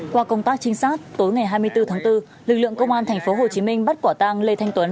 qua công tác trinh sát tối ngày hai mươi bốn tháng bốn lực lượng công an tp hcm bắt quả tang lê thanh tuấn